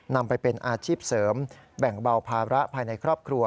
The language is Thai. นำไปเป็นอาชีพเสริมแบ่งเบาภาระภายในครอบครัว